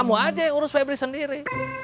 karena kamu aja yang ngurus febri sendiri